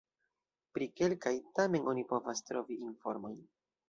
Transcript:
Pri kelkaj tamen oni povas trovi informojn.